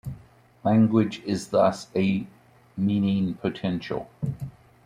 Language is thus a "meaning potential".